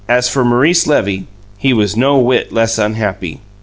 As for Maurice Levy, he was no whit less unhappy.